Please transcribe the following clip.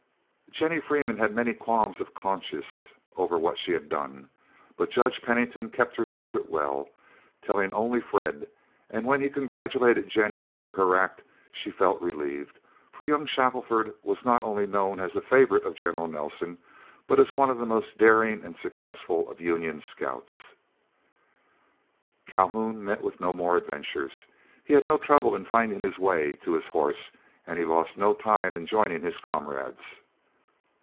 Jennie Freeman had many qualms of conscience over what she had done. But Judge Pennington kept her secret well, telling only Fred; and when he congratulated Jennie over her act, she felt relieved; for young Shackelford was not only known as a favorite of General Nelson, but as one of the most daring and successful of Union scouts. Calhoun met with no more adventures. He had no trouble in finding his way to his horse, and he lost no time in joining his comrades.